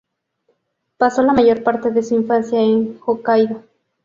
Pasó la mayor parte de su infancia en Hokkaido.